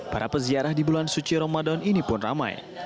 para peziarah di bulan suci ramadan ini pun ramai